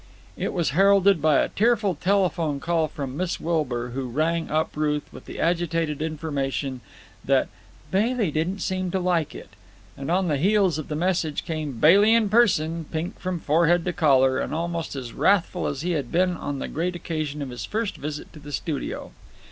It was heralded by a tearful telephone call from Miss Wilbur, who rang up Ruth with the agitated information that "Bailey didn't seem to like it." And on the heels of the message came Bailey in person, pink from forehead to collar, and almost as wrathful as he had been on the great occasion of his first visit to the studio.